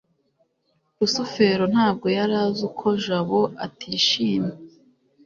rusufero ntabwo yari azi uko jabo atishimye